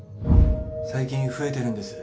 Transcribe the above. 最近増えてるんです